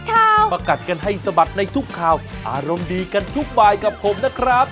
และร่วมดีกันทุกบายกับผมนะครับ